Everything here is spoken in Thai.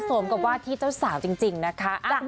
สมกับว่าที่เจ้าสาวจริงนะคะ